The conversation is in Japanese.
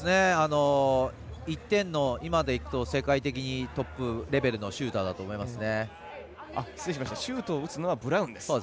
１点の今でいうと世界的にトップレベルのシューターだと思いますね。